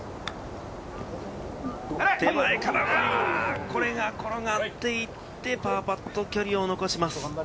手前から、これが転がっていって、パーパット、距離を残します。